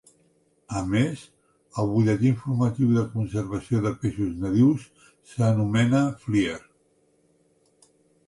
A més, el butlletí informatiu de Conservació de Peixos Nadius s'anomena Flier.